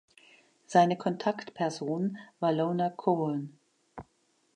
Seine Kontaktperson war Lona Cohen.